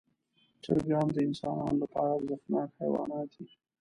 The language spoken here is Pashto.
چرګان د انسانانو لپاره ارزښتناک حیوانات دي.